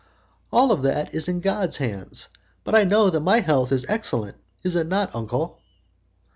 "All that is in God's hands, but I know that my health is excellent. Is it not, uncle?"